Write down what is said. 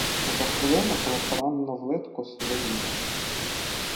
За хвилину було поранено в литку Соловія.